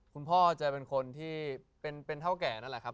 คุณพ่อจะเป็นคนที่เป็นเท่าแก่นั่นแหละครับ